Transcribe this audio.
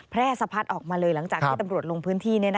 สะพัดออกมาเลยหลังจากที่ตำรวจลงพื้นที่